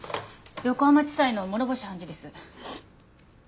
横浜地裁の諸星判事です。